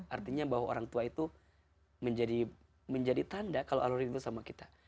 artinya bahwa orang tua itu menjadi tanda kalau alur hidup sama kita